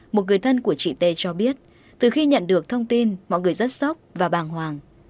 một người thân của chị t cho biết từ khi nhận được thông tin mọi người rất sốc và bàng hoàng